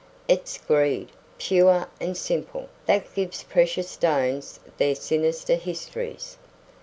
It's greed, pure and simple, that gives precious stones their sinister histories.